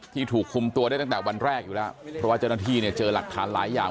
ที่ถูกคุมตัวได้ตั้งแต่วันแรกครับเพราะว่าเจ้านัทธิเจอหลักฐานหลายอย่าง